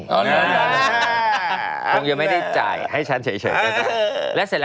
คงจะไม่ได้จ่ายให้ฉันเฉย